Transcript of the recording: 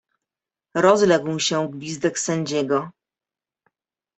Rozległ się gwizdek sędziego.